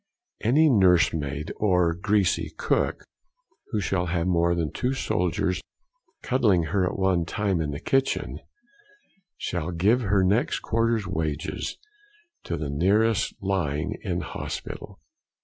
Any nursemaid or greasy cook, who shall have more than two soldiers cuddling her at one time in the kitchen, shall give her next quarter's wages to the nearest lying in hospital.